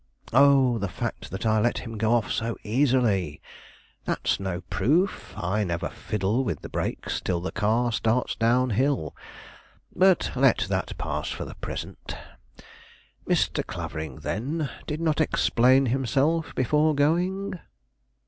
Oh, the fact that I let him go off so easily? That's no proof. I never fiddle with the brakes till the car starts down hill. But let that pass for the present; Mr. Clavering, then, did not explain himself before going?"